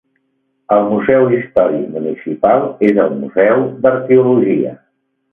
El Museu Històric Municipal és el museu d'arqueologia.